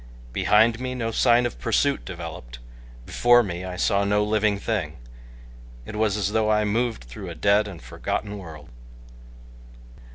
Behind me no sign of pursuit developed, before me I saw no living thing. It was as though I moved through a dead and forgotten world.